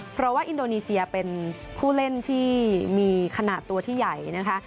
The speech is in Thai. เพราะว่าอินโดนีเซียเป็นผู้เล่นที่มีขนาดตัวที่ใหญ่นะคะ